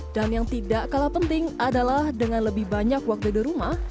dan yang tidak kalah penting adalah dengan lebih banyak waktu di rumah